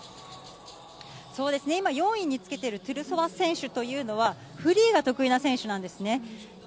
そうですね、今、４位につけているトゥルソワ選手というのは、フリーが得意な選手なんですね。